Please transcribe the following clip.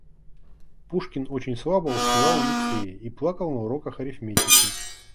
Пушкин очень слабо успевал в Лицее и плакал на уроках арифметики.